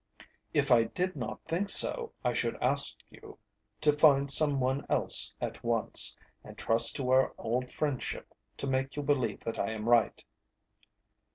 If I did not think so, I should ask you to find some one else at once, and trust to our old friendship to make you believe that I am right."